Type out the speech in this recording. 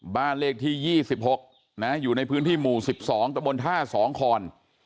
บ้านเลขที่ยี่สิบหกนะอยู่ในพื้นที่หมู่สิบสองตำบลท่าสองคอน